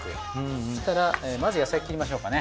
そうしたらまず野菜切りましょうかね。